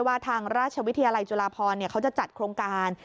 ทางราชวิทยาลัยจุฬาพรเขาจะจัดโครงการ